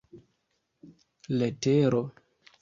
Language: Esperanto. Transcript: letero